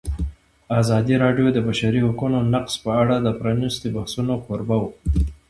ازادي راډیو د د بشري حقونو نقض په اړه د پرانیستو بحثونو کوربه وه.